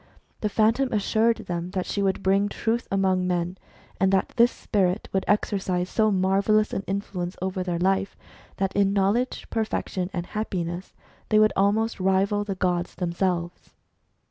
The Phantom assured them that she would bring Truth among men, and that this spirit would exercise^marvellous an influence over their life, that in knowledge, perfection, and happiness they would almost (,■ rival the gods themselves.